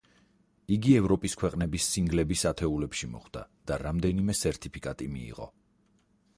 იგი ევროპის ქვეყნების სინგლების ათეულებში მოხვდა და რამდენიმე სერტიფიკატი მიიღო.